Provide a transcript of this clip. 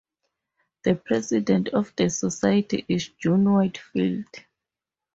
The President of the Society is June Whitfield.